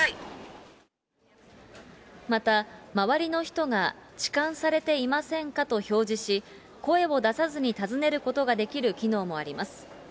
また、周りの人が痴漢されていませんかと表示し、声を出さずに尋ねることができる機能もあります。